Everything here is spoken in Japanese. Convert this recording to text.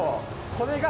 これが？